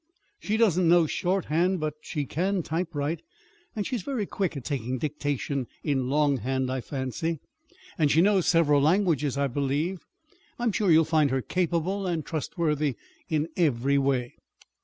"She doesn't know shorthand, but she can typewrite, and she's very quick at taking dictation in long hand, I fancy; and she knows several languages, I believe. I'm sure you'll find her capable and trustworthy in every way."